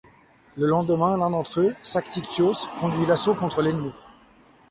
Le lendemain, l'un d'entre eux, Saktikios, conduit l'assaut contre l'ennemi.